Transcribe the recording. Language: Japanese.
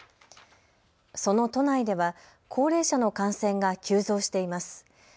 その都内では高齢者の感染が急増しています。